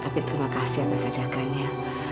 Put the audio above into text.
tapi terima kasih atas ajakannya